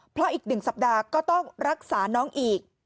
เพราะอีก๑สัปดาห์ก็ต้องรักษาน้องอีก